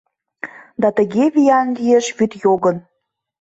Да тыге виян лиеш вӱд йогын